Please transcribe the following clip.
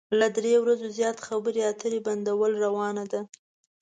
له درې ورځو زيات خبرې اترې بندول روا نه ده.